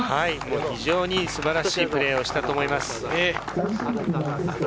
非常に素晴らしいプレーをしたと思います。